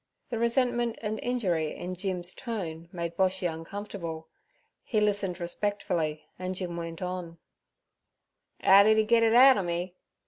The resentment and injury in Jim's tone made Boshy uncomfortable. He listened respectfully, and Jim went on: "Ow d'e git it outer me?